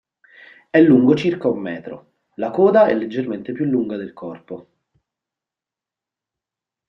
È lungo circa un metro: la coda è leggermente più lunga del corpo.